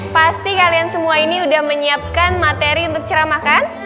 pasti kalian semua ini sudah menyiapkan materi untuk ceramahkan